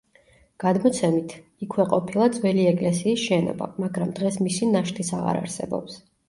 გადმოცემით იქვე ყოფილა ძველი ეკლესიის შენობა, მაგრამ დღეს მისი ნაშთიც აღარ არსებობს.